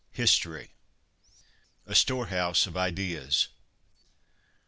HISTORY A Storehouse of Ideas.